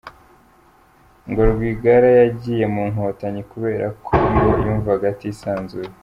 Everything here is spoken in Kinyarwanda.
Ngo Rwigara yagiye mu Nkotanyi kubera ko ngo ”yumvaga atisanzuye”.